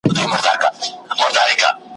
زه دي هم یمه ملګری ما هم بوزه `